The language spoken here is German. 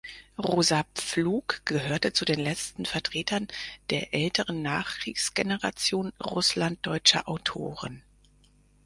Rosa Pflug gehörte zu den letzten Vertretern der älteren Nachkriegsgeneration russlanddeutscher Autoren.